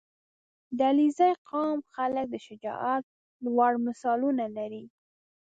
• د علیزي قوم خلک د شجاعت لوړ مثالونه لري.